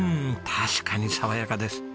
確かに爽やかです。